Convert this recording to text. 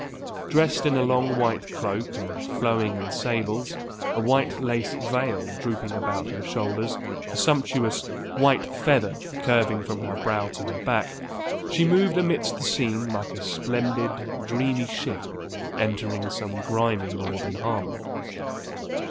Dressed in a long white cloak and flowing in sables, a white lace veil drooping about her shoulders, a sumptuous white feather curving from her brow to her back, she moved amidst the scene like a splendid, dreamy ship entering some grimy Northern harbour.